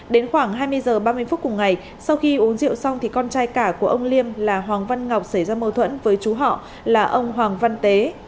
đến khoảng hai mươi h ba mươi phút cùng ngày sau khi uống rượu xong thì con trai cả của ông liêm là hoàng văn ngọc xảy ra mâu thuẫn với chú họ là ông hoàng văn tế